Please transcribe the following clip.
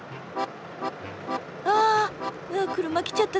あわぁ車来ちゃった。